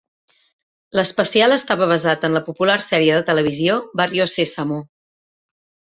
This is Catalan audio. L'especial estava basat en la popular sèrie de televisió "Barrio Sésamo".